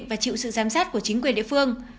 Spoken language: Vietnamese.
và chịu sự giám sát của chính quyền địa phương